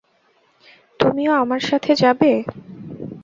তুমিও আমার সাথে যাবে।